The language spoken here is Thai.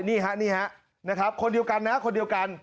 นี่ฮะคนเดียวกันนะฮะคนเดียวกัน